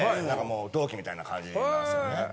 何かもう同期みたいな感じなんですよね。